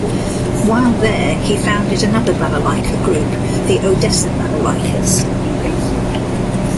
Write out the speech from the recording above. While there, he founded another balalaika group, the Odessa Balalaikas.